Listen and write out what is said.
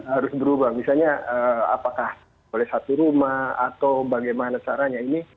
harus berubah misalnya apakah oleh satu rumah atau bagaimana caranya ini